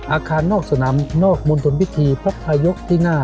อาคารนอกสนามนอกมณฑลพิธีพบทายกที่หน้า